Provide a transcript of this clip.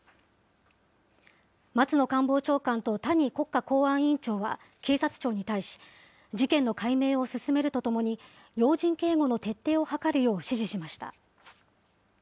松野官房長官と谷国家公安委員長は、警察庁に対し、事件の解明を進めるとともに、要人警護の徹底を図るよう指示しました。